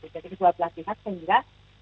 jadi kedua belah pihak sehingga